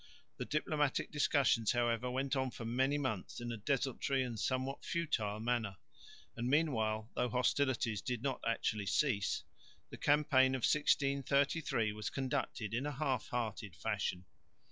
The diplomatic discussions, however, went on for many months in a desultory and somewhat futile manner; and meanwhile though hostilities did not actually cease, the campaign of 1633 was conducted in a half hearted fashion.